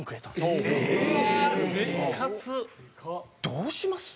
どうします？